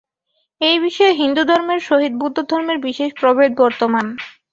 এই বিষয়ে হিন্দুধর্মের সহিত বৌদ্ধধর্মের বিশেষ প্রভেদ বর্তমান।